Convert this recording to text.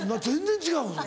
全然違う。